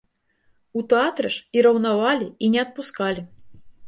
У тэатры ж і раўнавалі, і не адпускалі!